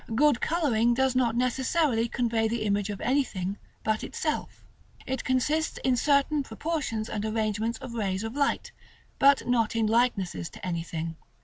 Good coloring does not necessarily convey the image of anything but itself. It consists in certain proportions and arrangements of rays of light, but not in likenesses to anything.